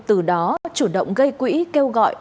từ đó chủ động gây quỹ kêu gọi